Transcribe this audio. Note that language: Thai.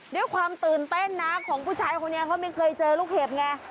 ด้วยความตื่นเต้นนะของผู้ชายคนนี้เขาไม่เคยเจอลูกเห็บไง